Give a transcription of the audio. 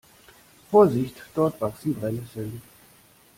Vorsicht, dort wachsen Brennnesseln.